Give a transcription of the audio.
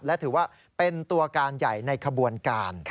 และถือว่าเป็นตัวการใหญ่ในขบวนการ